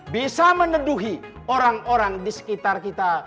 bisa meneduhi orang orang di sekitar kita